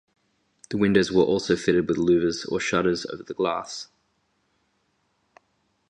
The windows were also fitted with louvers or shutters over the glass.